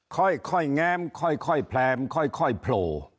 ค่อยแง้มค่อยแพรมค่อยโผล่